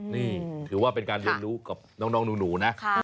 นี่ถือว่าเป็นการเรียนรู้กับน้องหนูนะ